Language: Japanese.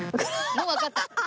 もうわかった。